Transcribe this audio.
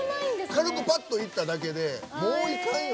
軽くぱっと行っただけでもう行かんよ。